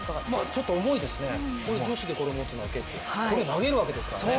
ちょっと重いですね、女子でこれを持つのは結構、これ、投げるわけですからね。